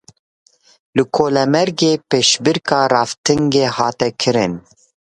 Li Colemêrgê pêşbirka raftingê hat kirin.